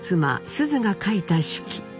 須壽が書いた手記。